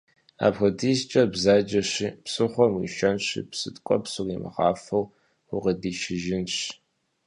Апхуэдизкӏэ бзаджэщи, псыхъуэм уишэнщи псы ткӏуэпс уримыгъафэу укъыдишыжынщ.